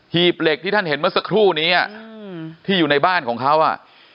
ีบเหล็กที่ท่านเห็นเมื่อสักครู่นี้ที่อยู่ในบ้านของเขาอ่ะ